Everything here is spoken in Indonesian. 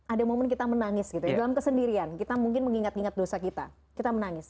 ada momen kita menangis gitu ya dalam kesendirian kita mungkin mengingat ingat dosa kita kita menangis